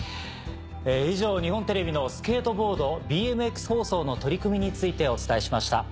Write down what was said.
以上日本テレビのスケートボード・ＢＭＸ放送の取り組みについてお伝えしました。